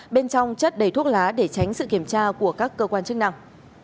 bên trong chất đầy thuốc lá để tránh sự kiểm tra của các cơ quan chức năng